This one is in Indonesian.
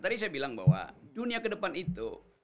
tadi saya bilang bahwa dunia kedepan itu